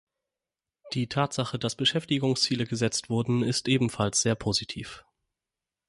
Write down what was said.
Die Tatsache, dass Beschäftigungsziele gesetzt wurden, ist ebenfalls sehr positiv.